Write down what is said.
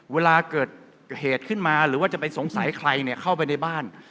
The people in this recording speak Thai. เวลาเกิดเหตุขึ้นมาหรือว่าจะไปสงสัยใครเข้าไปในบ้าน